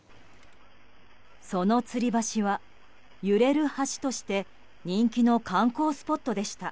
そのつり橋は、揺れる橋として人気の観光スポットでした。